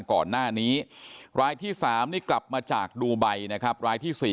ก่อนหน้านี้รายที่๓นี่กลับมาจากดูไบนะครับรายที่๔